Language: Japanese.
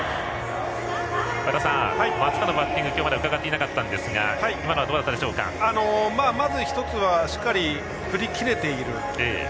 和田さん、松川のバッティングは今日は伺っていませんでしたがまず、１つはしっかり振り切れている。